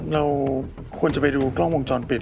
เราควรจะไปดูกล้องวงจรปิด